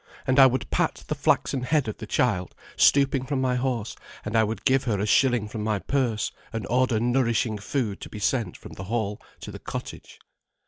And I would pat the flaxen head of the child, stooping from my horse, and I would give her a shilling from my purse, and order nourishing food to be sent from the hall to the cottage."